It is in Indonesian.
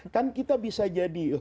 kan kita bisa jadi